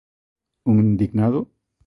Un indignado?